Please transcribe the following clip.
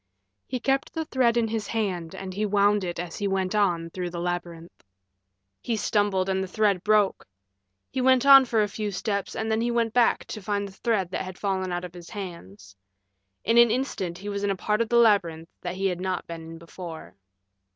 He kept the thread in his hand and he wound it as he went on through the labyrinth. He stumbled and the thread broke. He went on for a few steps and then he went back to find the thread that had fallen out of his hands. In an instant he was in a part of the labyrinth that he had not been in before.